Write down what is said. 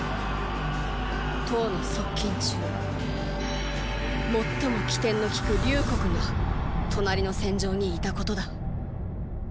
⁉騰の側近中最も機転の利く隆国が隣の戦場にいたことだ。